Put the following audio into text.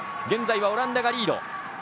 現在、オランダがリード。